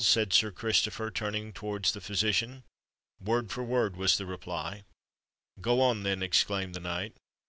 said Sir Christopher, turning towards the physician. "Word for word," was the reply. "Go on, then," exclaimed the knight.